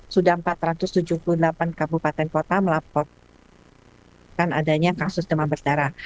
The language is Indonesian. sudah empat ratus tujuh puluh delapan kabupaten kota melaporkan adanya kasus demam berdarah